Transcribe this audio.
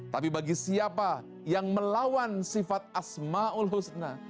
tapi bagi siapa yang melawan sifat asma'ul husna